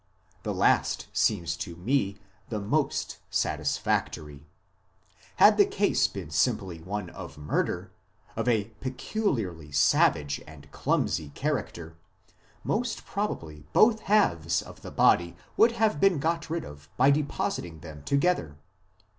The last seems to me the most satisfactory. Had the case been simply one of murder, of a peculiarly savage and clumsy character, most probably both halves of the body would have been got rid of by depositing them together.